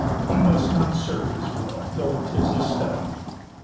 He must not serve his will, Though 'tis his study.